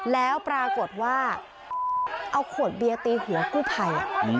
แล้วปรากฏว่าเอาขวดเบียร์ตีหัวกู้ภัย